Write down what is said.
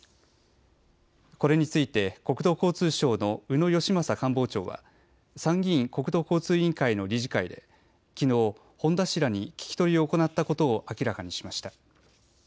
これについて国土交通省の宇野善昌官房長は参議院国土交通委員会の理事会できのう本田氏らに聞き取りを行ったことを明らかにしました。